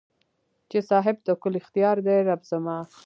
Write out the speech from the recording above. چې صاحب د کل اختیار دې رب زما